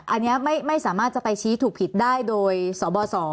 อันนี้ไม่สามารถจะไปชี้ถูกผิดได้โดยสบส